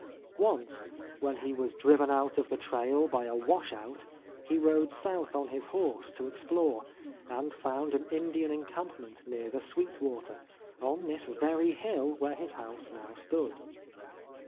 Once, when he was driven out of the trail by a wash out, he rode south on his horse to explore, and found an Indian encampment near the Sweet Water, on this very hill where his house now stood.